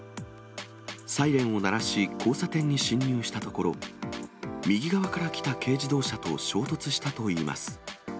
サイレンを鳴らし、交差点に進入したところ、右側から来た軽自動車と衝突したといいます。